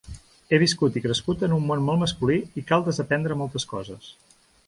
He viscut i crescut en un món molt masculí i cal desaprendre moltes coses.